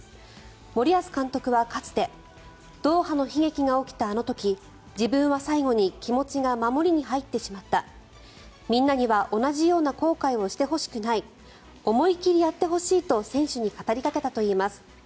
森保監督は、かつてドーハの悲劇が起きたあの時自分は最後に気持ちが守りに入ってしまったみんなには同じような後悔をしてほしくない思い切りやってほしいと選手に語りかけたといいます。